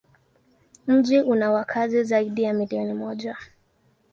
Mji una wakazi zaidi ya milioni moja.